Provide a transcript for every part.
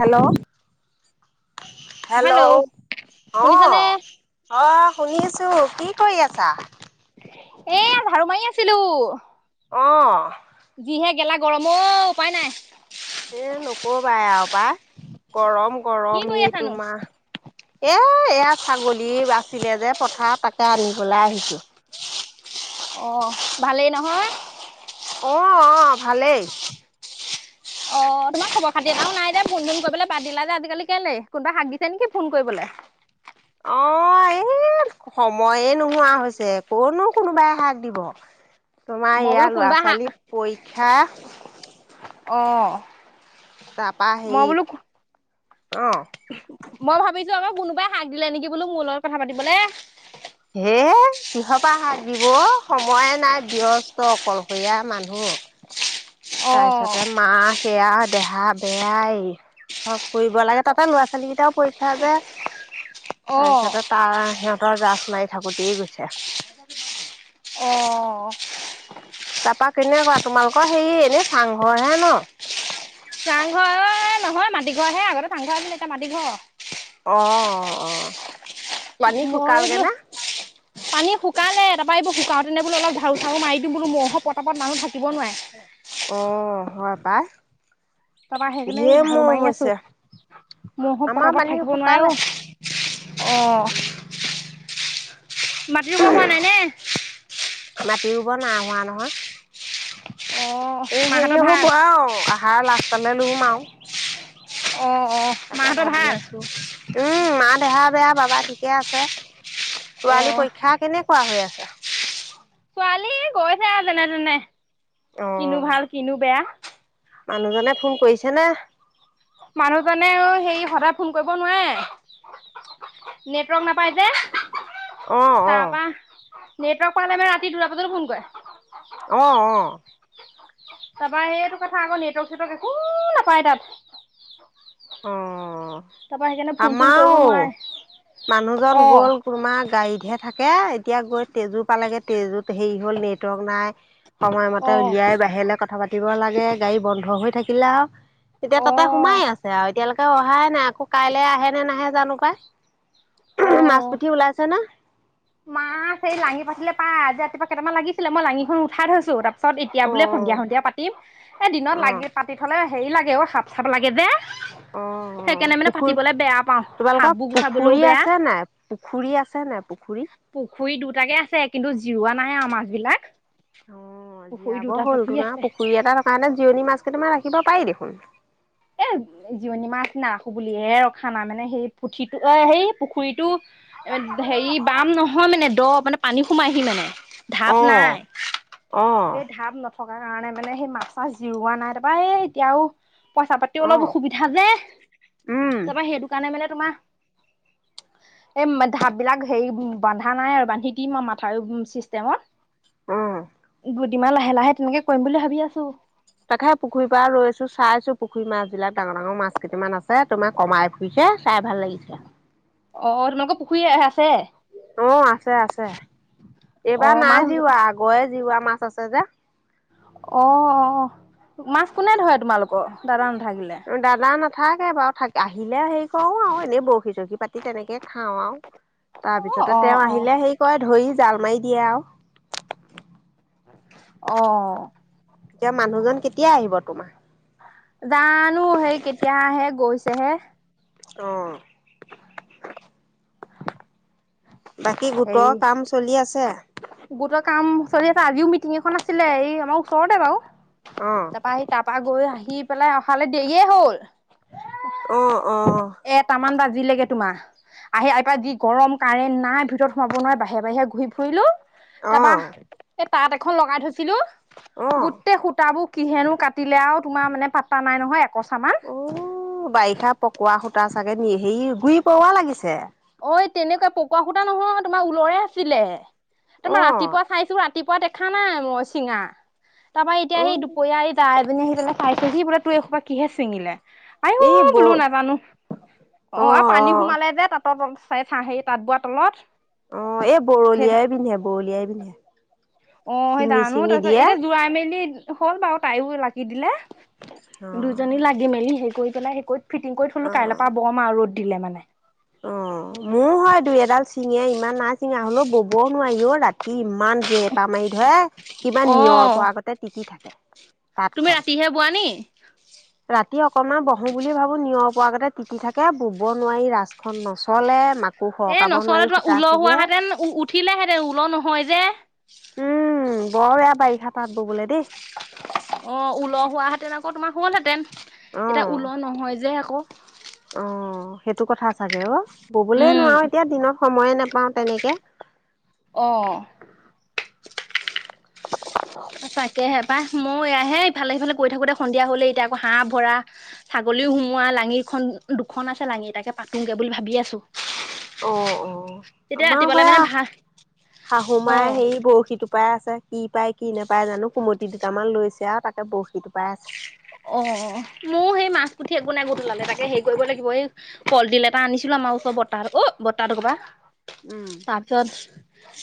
Hello hello. শুনিছানে অ', অ', শুনিছোঁ, কি কৰি আছা? এই ঝাৰু মাৰি আছিলো। অহ। যিহে গেলা গৰম অ', উপায় নাই। এই নকবাই আৰু পাই, গৰম, কি কৰি গৰমেই আছানো তোমাৰ এ এইয়া ছাগলী আছিলে যে পথাৰত, তাকেই আনিবলৈ আহিছোঁ। অ', ভালেই নহয়। অ', অ', ভালেই। [inaudible] অ, তোমাক খবৰ খাতি এটাও নাই যে। ফোন চোন কৰিবলৈ বাদ দিলা যে আজিকালি কেলে? কোনোবাই হাক দিছে নেকি ফোন কৰিবলৈ। অঁ এই সময়ে নোহোৱা হৈছে কতনো কোনোবাই শাক দিব। তোমাৰ মই বোলো ইয়াৰ ল'ৰা কোনোবা ছোৱালী পৰীক্ষা অঁ। তাৰপৰা হেৰি অঁ মই ভাবিছো আমাৰ কোনোবাই শাক, দিলে নেকি বোলো মোৰ লগত কথা পাতিবলে। হে কিহৰপাহ শাক দিব? সময়ে নাই ব্যস্ত অকলশৰীয়া মানুহ, অ তাৰপিছতে মা সেইয়া দেহা বেয়াই, চব কৰিব লাগে, তাতে ল'ৰা ছোৱালীকেইটাও পৰীক্ষা যে। অ তাৰপিছতে তাৰ সিহঁতৰ জাচ মাৰি থাকোতে গৈছে। অঁ তাৰপা কেনেকুৱা তোমালোকৰ হেৰি এনেই চাংঘৰ হে ন। চাংঘৰ ঐ ঘৰ মাটি ঘৰহে আগতে চাংঘৰ আছিল এতিয়া মাটি ঘৰ। অঁ, অ পানী মই শুকালগে বোলো নে? পানী শুকালে, তাৰপৰা এইোৰ শুকাওঁতেনে বোলো অলপ জাৰো চাৰু মাৰ দিও, বোলো মহৰ পতাপত মানুহ থাকিব নোৱাৰে। অঁ, হয় পাই। তাৰপৰা সেইকাৰণে এই ঢেৰ জাৰো মহ মাৰি আছো। হৈছে মহো আমাৰ পতাপত পানী থাকিব শুকালে নোৱাৰে অ। উম মাটি ৰুব হোৱা নাই নে? মাটি ৰুব নাই হোৱা নহয়, অ' এ হেৰি মাহঁতৰ ভাল? হ'ব আৰু। আহাৰ লাষ্টলৈ ৰুমগে আৰু। অ' অ' তাকে মাহঁতৰ ভাবি ভাল? আছো। উম, মা দেহা বেয়া, বাবা ঠিকে আছে, ছোৱালী অ' পৰীক্ষা কেনেকুৱা হৈ আছে? ছোৱালী গৈছে আৰু যেনে তেনে কিনো অ', ভাল, কিনো বেয়া। মানুহজনে ফোন কৰিছে নে? মানুহজনে সে সদায় ফোন কৰিব নোৱাৰে। নেটৱৰ্ক নাপায় যে। অ', তাৰ অ', পা, নেটৱৰ্ক পালে, ৰাতি দুটা বজাতো ফোন কৰে। অঁ, অ। তাৰপৰা সেইটো কথা আকৌ নেটৰ্ক চেটৰ্ক একো নাপায় তাত। অঁ। তাৰপৰা সেইকাৰণে ফোন চোন কৰিব নোৱাৰে। মানুহজন অ', গ'ল তোমাৰ গাড়ীতহে থাকে, এতিয়া গৈ তেজো পালেগে তেজোত হেৰি হ'ল নেটৱৰ্ক নাই। সময়মতে অ', উলিয়াই বাহিৰলৈ কথা পাতিব লাগে, গাড়ী বন্ধ হৈ থাকিলে আৰু তেতিয়া তাতে অ', সোমাই আছে আৰু এতিয়ালৈকে অহাই নাই, আকৌ কাইলে আহে নে নাহে জানো পাই। মাছ অ'। পুঠি ওলাইছে ন। আ, এই লাঙী, পাতিলে পাই। আজি ৰাতিপুৱা কেইামান লাগিছিলেই লাঙিখন উঠাই থৈছো, তাৰপিছত এতিয়া বোলে অ', সন্ধিয়া সন্ধিয়া কি? এ, দিনত অ', লাঙি পাতি থলে হেৰি লাগে অ সাপ চাপ লাগে যে। অ', অ', সেইকাৰণে মানে পুখুৰী পাতিবলৈ বেয়া পাওঁ, তোমালোকৰ সাপবোৰ গুঠাবলেও পুখুৰী বেয়া। আছে নাই পুখুৰী আছে নে পুখুৰী? পুখুৰী দুটাকে আছে, কিন্তু জিওৱোৱা নাহে আৰু মাছবিলাক। অঁ, জীয়াব হ'ল তোমাৰ আছে পুখুৰী এটাৰ কাৰণে জিৰণি মাছকেইটামান তোমাৰ ৰাখিব পাৰি দেখোন। এ, জিৰণি মাছ নাৰাখো বুলিহে ৰখা নাই মানে সেই পুঠিটো অ সেই পুখুৰীটো এব হেৰি বাম নহয় মানে দ মানে পানী সোমাইহি মানে। ঢাপ অ নাই, অ এই ঢাপ ন থকাৰ কাৰণে মানে সেই মাছ - চাছ জিওৱা নাই তাৰপা এই এতিয়াও পইছ তে অ অলপ অসুবিধা যে উম তাৰপৰা সেইটো কাৰণে মানে তোমাৰ [inaudible] এম এ ঢাপবিলাক হেৰি উম বন্ধা নাই আৰু বান্ধি দিম আৰু মাথাউৰি চিষ্টেমত। অ দুদিনমান লাহে - লাহে তেনেকে কৰিম বুলি ভাবি আছো। তাকেহে পুখুৰীৰ পৰা ৰৈ আছো, চাইছো পুখুৰী মাছবিলাক ডাঙৰ - ডাঙৰ মাছকেইটামান আছে তোমাৰ কমাই বুজিছে চাই ভাল লাগিছে। অ, তোমালোকৰ পুখুৰী আ আছে? অ আছে আছে, অ এইবাৰ মাছ নাই জিওৱা আগৰে জিওৱা মাছ আছে যে। অ অ, তো মাছ কোনে ধৰে তোমালোকৰ দাদা নাথাকিলে? দাদা নাথাকে বাৰু, থাক আহিলে হেৰি কৰোঁ আৰু এনেই বৰশী- চৰশী পাত ৰাতি তেনেকেই খাওঁ আৰু তাৰ অ', পিছতে অ', তেওঁ অ'। আহিলে হেৰি কৰে ধৰি জাল মাৰি দিয়ে আৰু। অঁ। এতিয়া মানুহজন কেতিয়া আহিব তোমাৰ? জানো সেই কেতিয়া আহে গৈছেহে। অ। বাকী হেৰি গোটৰ কাম চলি আছে? গোটৰ কাম চলি আছে, আজিও মিটিং এখন আছিলে এই আমাৰ ওচৰতে বাৰু। অ। তাৰপা আহি তাৰপা গৈ আহি পেলাই অহালে দেৰিয়ে হ'ল। অ অ। এ এটামান বাজিলেগে তোমাৰ। আহি আহি পাই যি গৰম কাৰেণ্ট নাই ভিতৰত সোমাব নোৱাৰে বাহিৰে - বাহিৰে ঘূৰি ফুৰিলো। তাৰপা অ' এই তাঁত এখন লগাই থৈছিলো, অ' গোটেই সূতাবোৰ কিহেনো কাটিলে আৰু তোমাৰ মানে পাত্তা নাই নহয় একচামান। টো বাৰিষাত পকোৱা সূতা চাগে নি হেৰি গুৰি পৰুৱা লাগিছে। ঐ তেনেকুৱা পকোৱা সূতা নহয় তোমাৰ উলৰে আছিলে। তোমাৰ অ' ৰাতিপুৱা চাইছো ৰাত তিপুৱা দেখা নাই মই চিঙা তাৰপৰা এতিয়া সেই অ' দুপৰীয়া এ [unintelligible] এজনী আহি পেলাই চাইছেহি বোলে তোৰ এসোপা কিহে চিঙিলে? আই অ এই ব বোলো নাজানো, অ আৰু পানী সোমালে যে তাত ত তল চাই চা সেই তাঁত বোৱা তলত। অ এই সেই বৰলিয়াই বিন্ধে, বৰলিয়াই বিন্ধে। অ সেই জানো তাৰপিছত এতিয়া জোৰাই মেলি হ'ল বাৰু তাইও লাগি দিলে। দুজনী লাগি মেলি সেই কৰি পেলাই সেই কৰি ফিটিং কৰি থ'লো অ' কাইলৈৰ পৰা বম আৰু ৰ'দ দিলে মানে। অ, মোৰো হয় দুই এডাল ছিঙে ইমান নাই চিঙা হ'লেও ব'বও নোৱাৰি অ' ৰাতি ইমান জেপা মাৰি ধৰে, কিবা অ নিয়ৰ পৰা গতে তিতি থাকে তুমি তাঁতখন। ৰাতিহে বোৱা নি ৰাতি অকমান বহো বুলি ভাবো নিয়ৰ পৰা গতে তিতি থাকে ব'ব নোৱাৰি ৰাচখন নষ হ'লে মাকো সৰকাব নোৱাৰি সূতা ছিগে। [unintelligible] ঠিলেহেঁতেন ওল নহয় যে। উম বৰ বেয়া বাৰিষাত তাত ব'বলে দেই। অঁ উল হোৱাহেতেন আকৌ তোমাৰ হ'লহেঁতেন, এতিয়া উলৰ নহয় যে আকৌ। অঁ' সেইটো কথা চাগে অও, ব'বলে উম নোৱাৰো এতিয়া দিনত সময়ে নেপাওঁ তেনেকে। অঁ' তাকেহে পাই ময়ো এয়াহে ইফালে- সিফালে কৰি থাকোঁতে সন্ধিয়া হ'লেই, এতিয়া আকৌ হাঁহ ভৰা- ছাগলীও সোমোৱা লাঙিখন দুখন আছে লাঙি তাকে পাতোংগে বুলি ভাবি আছো। অ অ' তেতিয়া আমাৰও ৰাতিপুৱালে মানে হয়য়া ভাত শাহু অ মাই সেই বৰশীটো- টোপাই আছে কি পায় কি নেপায় জানো? কুমটি দুটামান লৈছে আৰু তাকে বৰশী টোপাই আছে। অ অ মোৰ সেই মাছ পুঠি একো নাই গধুলালে। তাকে হেৰি কৰিব লাগিব এই- কলডিল এটা আনিছিলো আমাৰ ওচৰ বৰতাহ অও বৰতাহতৰ ঘৰৰ পৰা। উম' তাপিছত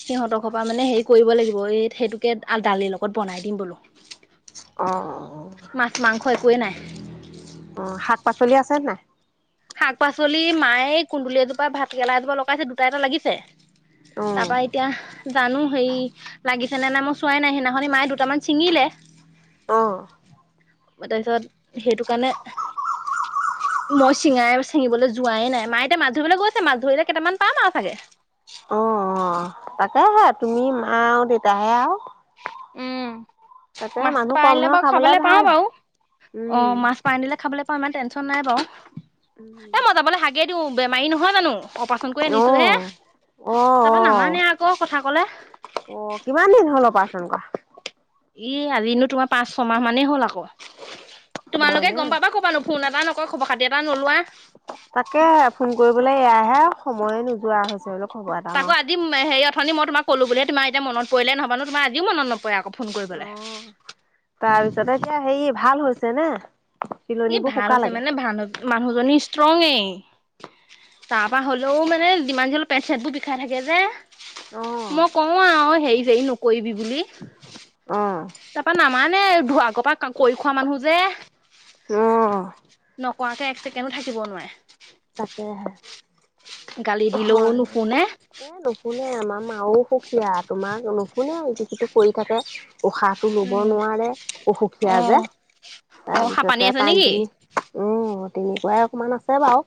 সিহঁতৰ ঘৰৰ পৰা মানে হেৰি কৰিব লাগিব এই সেইটোকে দালিৰ লগত বনাই দিম বোলো। অঁ অঁ অঁ' মাছ মাংস একোৱেই নাই। অঁ শাক পাচলি আছে নে‌ নাই? শাক পাচলি মায়ে কুন্দুলি এজোপা ভাতকেৰেলা এজোপা লগাইছে দুটা এটা লাগিছে। অ', তাপা এতিয়া জানো হেই লাগি- ছেনে নাই মই চোৱাই নাই, সেইদিনাখনি মায়ে দুটামান ছিঙিলে। অঁ' ময় তাপিছত সেইটো কাৰণে- [unintelligible] মই চিঙাই চিঙিবলৈ যোৱাই নাই মায়ে এতিয়া মাছ ধৰিবলে গৈছে, মাছ ধৰিলে কেইটামান পাম আৰু চাগে। অঁ অঁ অঁ তাকেহে তুমি, মা আৰু দেউতাহে আৰু। উম' তাকে মাছ মানুহ কম পাইলে নহয় বাৰু খাবলে পাওঁ ভাল। বাৰু উম। অঁ মাছ- পাই আনিদিলে খাবলে পাওঁ ইমান টেনচন নাই বাৰু এ মই যাবলে হাগে দিওঁ বেমাৰী নহয় জানো। ফোন কৰি আনিছো হে অ', অ', তাৰপৰা অ', নামানে আকৌ কথা কলে। অ কিমান দিন হল অপাৰ্চন কৰা? ই এ আজিনো তোমাৰ পাঁচ ছমাহ মানেই হ'ল আকৌ। তোমালোকে হয়নে? গম পাবা কৰ পৰা নো- ফোন এটা নকয়, খবৰ খাতি এটা নোলোৱা। তাকেহে, ফোন কৰিবলে এয়াহে, সময়ে নোযোৱা হৈছে অলপ- তাকো আজি হেৰি অথনি মই তোমাক কলো বোলিহে তোমাৰ এতিয়া মনত পৰিলে, নহবানো তোমাৰ আজিও মনত নপৰে আক। ফোন কৰিবলে। তাৰ পিছতে এতিয়া হেৰি ভাল হৈছে নে? ই চিলনিবোৰ ভাল হৈছে শুকালেগে। মানে ভানো মানুহজনী ষ্ট্ৰঙেই। তাপা হ'লও মানে যিমান যি হ'লো পেট চেতবোৰ বিষাই থাকে যে। অ', মই কওঁ আওঁ হেৰি যেৰি নকৰিবি বুলি। অঁ' তাপা নামানে এইভো আগপা কৰি খোৱা মানুহ যে। অঁহ' কৱাকে একেছেকেনো থাকিব নোৱাৰে। তাকেহে, গালি দিলেও হয়। নুশুনে এ নুশুনে আমাৰ মাও সুকীয়া তোমাক নুশুনে যি কিটো কৰি থাকে। উশাহটো লব উম নোৱাৰে, অসুখীয়া যে অ' অ' হাপানি তাৰপিছতে আছে টাইম নেকি? টোনি- অঁ তেনেকুৱাই অকমান আছে বাৰু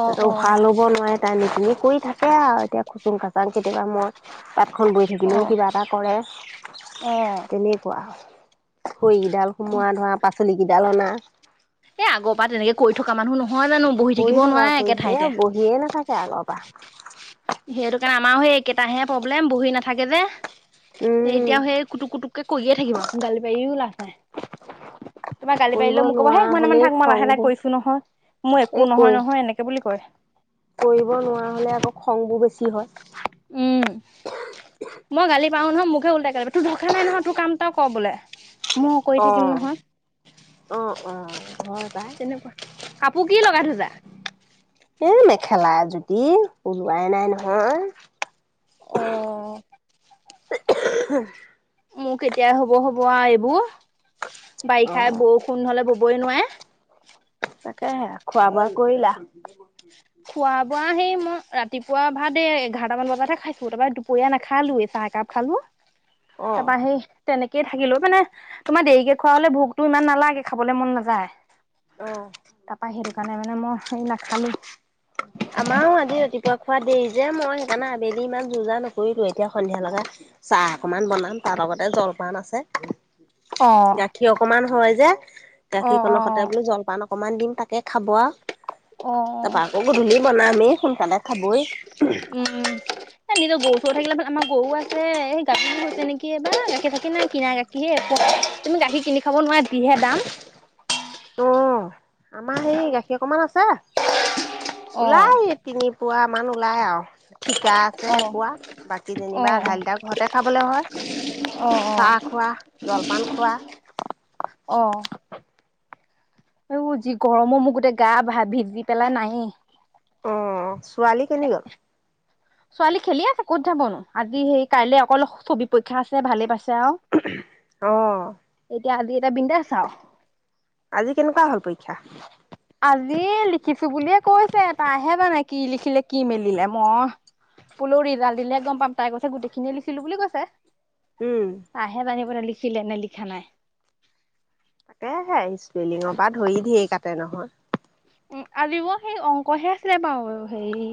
অ' তাতো অ' উশাহ লব নোৱাৰে- তাই নুশুনি কৰি থাকে আও, এতিয়া খুচুং খাচাং কেতিয়াবা মই- তাঁতখন বৈ থাকিলেও অ' কিবা এটা কৰে, অ' তেনেকুৱা। খৰিকেইডাল অ' সোমোৱা ধৰা পাচলি কেইডাল অনা এ আগৰ পৰা তেনেকে কৰি থকা মানুহ নহয় জানো বহি কৰি থাকিব থকা নোৱাৰে কৰি একে এ ঠাইতে বহিয়ে নাথাকে আগৰ পৰা সেইটো কাৰণে আমাৰো সেই কেইটাহে প্ৰব্লেম বহি নাথাকে যে উম। এতিয়াও সেই কুটুক কুটুকে কৰিয়ে থাকিব গালি পাৰিও লাভ নাই তোমাৰ গালি কৰিব পাৰিলেও মোক কব' নোৱাৰা সেই মনে মনে হলেই থাক মই লাহে লাহে খংবোৰ কৰিছো নহয় মই এই একো কৈ নহয় নহয় এনেকে বুলি কয় কৰিব নোৱাৰা হ'লে আকৌ খংবোৰ বেছি হয় উম মই গালি পাৰু নহয় মোকে ওলোতাই গালি পাৰে তোৰ দৰকাৰ নাই নহয় তোৰ কাম তই ক বোলে মই কৰি অ থাকিম নহয় অ অ হয় পাই কাপোৰ কি লগাই থৈছা এ মেখেলা এজোতি ওলোৱাই নাই নহয় অ [unintelligible] মোৰ কেতিয়া হ'ব হ'ব আৱ এইবোৰ বাৰিষা অ'। বৰষুণ হলে ববই নোৱাৰে তাকেহে খোৱা বোৱা কৰিলা খোৱা বোৱা সেই মই ৰাতিপুৱা ভাত এ এঘাৰটামান বজাতহে খাইছো তাৰপৰা দুপৰিয়া নাখালোঁৱে চাহ একাপ খালোঁ [unintelligible] তাপা সেই তেনেকেইে থাকিলো মানে তোমাৰ দেৰিকে খোৱা হলে ভোকতো ইমান নালাগে খাবলে মন নাযায় অ'। তাৰপা সেইটো কাৰণে মানে মই সেই নাখালো আমাৰো আজি ৰাতিপুৱা খোৱা দেৰি যে মই সেইকাৰণে আবেলি ইমান যু যা নকৰিলোৱে এতিয়া সন্ধিয়া লগা চাহ অকমান বনাম তাৰ লগতে জলপান আছে অ গাখীৰ অকমান হয় যে অ গাখীৰকন অ অ সতে বোলো জলপান অকমান দিম তাকে খাব আও অ অ গধূলি বনামেই সোনকালে খাবই উম এ নিজৰ গৰু চৰু থাকিলে আমাৰ গৰু আছে সেই গাভিনি হৈছে নেকি এইবাৰ গাখীৰ চাখীৰ নাই কিনা গাখীৰ হে এপোৱা তুমি গাখীৰ কিনি খাব নোৱাৰা যিহে দাম অ আমাৰ সেই গাখীৰ অকমান আছে অ ওলাই তিনি পুৱা মান ওলাই আৱ থিকা আছে অ এপোৱা বাকী অ অ যেনিবা আধা লিটাৰ ঘৰতে খাবলে হয় অ চাহ অ খোৱা জলপান খোৱা অহ আঐ যি গৰমৰ মোৰ গোটেই গা ভা ভি ভিজি পেলাই নাই অ ছোৱালী কেনি গ'ল ছোৱালী খেলি আছে ক'ত যাবনো আজি সেই কাইলে অকল ছবি পৰীক্ষা আছে ভালেই পাইছে আও অ' এতিয়া আজি এতিয়া বিন্দাছ আও আজি কেনেকুৱা হ'ল পৰীক্ষা আজি লিখিছো বুলিয়ে কৈছে তাইহে জানে কি লিখিলে কি মেলিলে মই বোলো ৰিজাল্ট দিলে গম পাম তাই কৈছে গোটেইখিনি লিখিলো বুলি কৈছে উম তাইহে জানিব লিখিলে নে লিখা নাই তাকে আকৌ ইস্পিঙৰ অ পা ধৰি ধেই কাটে নহয়। উ আজিব সেই অংকহে আছিলে বাৰু হেই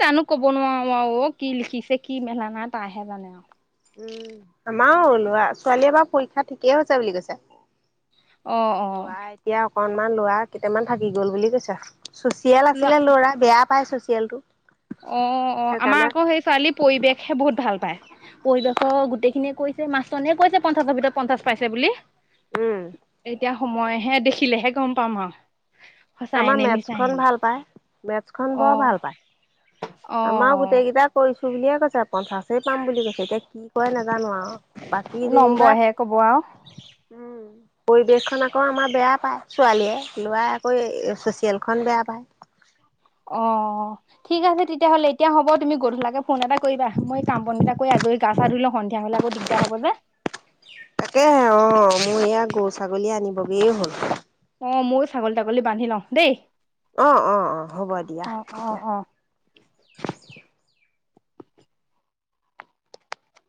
জানো ক'ব নোৱাৰো আৰু কি লিখিছে কি মেলা নাই তাহে জানে আওঁ। উম আমাৰো লৰা ছোৱালীয়ে এবাৰ পৰীক্ষা ঠিকেই হৈছে বুলি কৈছে। অ অ লোৱা এতিয়া অকনমান লোৱা কেইটামান থাকি গল বুলি কৈছা। চুচিয়েল লোৱা আছিলে ল'ৰা বেয়া পাই চুচিয়াল টো। অ অ আমাৰ আকৌ সেই ছোৱালীৰ পৰিৱেশহে বহুত ভাল পায়। পৰিৱেশৰ গোটেইখিনিয়ে কৈছে, মাছনে কৈছে পঞ্চাছৰ ভিতৰত পঞ্চাছ পাইছে বুলি। উম এতিয়া সময়হে দেখিলেহে গম পাম আওঁ। আমাৰ মেথছখন ভাল পায় মেথছখন বৰ অ', ভাল পায়। আমাৰ অ', গোটেই কেইটা কৈছো বুলিয়ে কৈছে পঞ্চাছে পাম বুলি কৈছে, এতিয়া কি কৰে নাজানো আৰু বাকী যেনিবা, নম্বৰহে ক'ব আৰু উম পৰিবেশ খন আকৌ আমাৰ বেয়া পায় ছোৱালীয়ে লৰা আকৌ চচিয়েল খন বেয়া পায়। অহ। ঠিক আছে তেতিয়াহ'লে এতিয়া হ'ব গধূলাকৈ ফোন এটা কৰিবা, মই কামবন কিটা কৰি আজৰি গা পা ধুই লওঁ সন্ধিয়া হ'লে আকৌ দি দা হব যে। তাকেহে অ মোৰ এয়া গৰু ছাগলী আনিবগেই হ'ল। অ ময়ো ছাগলী তাগলী বান্ধি লওঁ দেই। অ অ অ হ'ব দিয়া অ', অ', তেতিয়া। অ'।